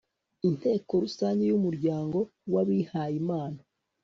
Inteko Rusange y Umuryango w Abihayimana